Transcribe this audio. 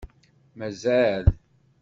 Mazal.